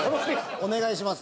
お願いします。